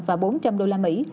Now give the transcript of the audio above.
và bốn trăm linh đô la mỹ